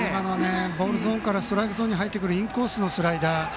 ボールゾーンからストライクゾーンに入ってくるインコースのスライダー。